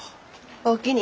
おおきに。